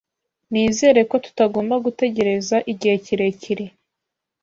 Nizere ko tutagomba gutegereza igihe kirekire.